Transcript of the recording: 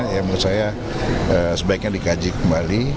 yang menurut saya sebaiknya dikaji kembali